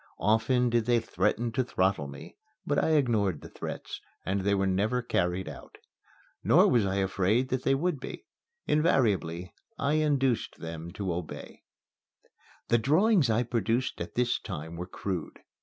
Often did they threaten to throttle me; but I ignored the threats, and they were never carried out. Nor was I afraid that they would be. Invariably I induced them to obey. The drawings I produced at this time were crude.